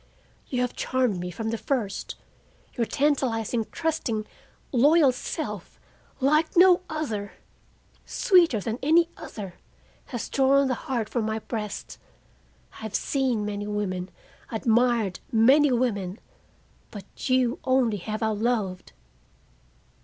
"You have charmed me from the first. Your tantalizing, trusting, loyal self, like no other, sweeter than any other, has drawn the heart from my breast. I have seen many women, admired many women, but you only have I loved.